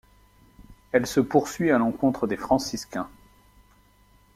Elle se poursuit à l'encontre des Franciscains.